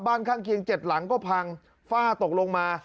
ข้างเคียง๗หลังก็พังฝ้าตกลงมา